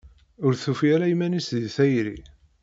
Ur tufi ara iman-is deg tayri.